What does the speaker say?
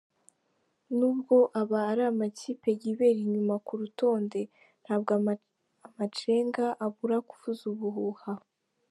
Nubwo aba ari amakipe yibera inyuma ku rutonde ntabwo amacenga abura kuvuza ubuhuha.